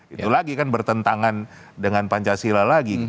itu lagi kan bertentangan dengan pancasila lagi